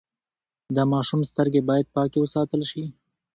د ماشوم سترګې باید پاکې وساتل شي۔